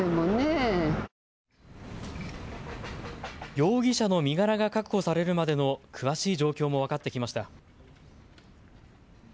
容疑者の身柄が確保されるまでの詳しい状況も分かってきました。